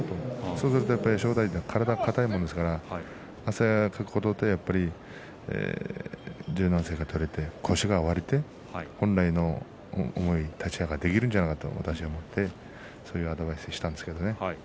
そうすると正代は体が硬いものですから汗をかくことで柔軟性が取れて腰が割れて本来の思い立ち合いができるんじゃないかと私は思ってそういうアドバイスをしたんですけどね。